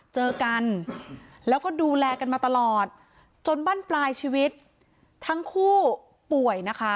เจอกันแล้วก็ดูแลกันมาตลอดจนบ้านปลายชีวิตทั้งคู่ป่วยนะคะ